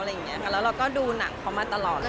เราก็ดูหนังเขามาตลอด